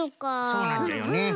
そうなんじゃよね。